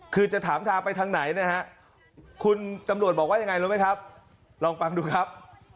คือจะถามทางไปทางไหนนะฮะคุณตำรวจบอกว่ายังไงรู้ไหมครับลองฟังดูครับ